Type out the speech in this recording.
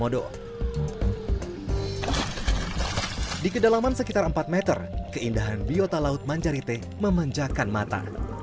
di kedalaman sekitar empat meter keindahan biota laut manjarite memanjakan mata